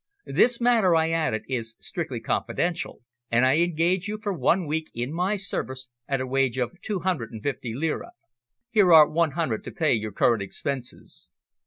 This matter," I added, "is strictly confidential, and I engage you for one week in my service at a wage of two hundred and fifty lire. Here are one hundred to pay your current expenses."